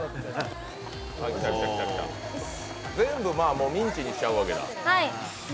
全部ミンチにしちゃうわけだ。